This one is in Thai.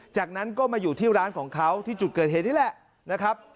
จากนั้นก็มาอยู่ที่ร้านของเขาที่จุดเกิดเหตุนี่แหละนะครับ